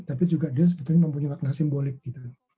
tapi juga dia sebetulnya mempunyai makna simbolik gitu